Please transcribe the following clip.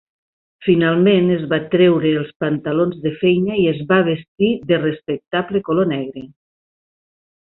Finalment es va treure els pantalons de feina i es va vestir de respectable color negre.